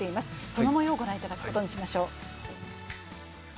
その模様を御覧いただくことにしましょう。